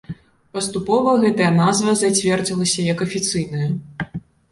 Паступова гэтая назва зацвердзілася як афіцыйная.